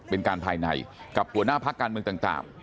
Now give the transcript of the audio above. เป็นการภายในกับหัวหน้าพักการเมืองต่าง